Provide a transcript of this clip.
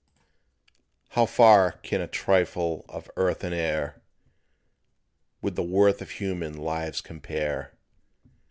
"For how can a trifle of earth and air With the worth of human lives compare?